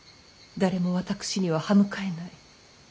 誰も私には刃向かえない。